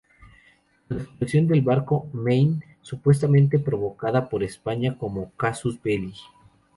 Con la explosión del barco Maine, supuestamente provocada por España, como "casus belli".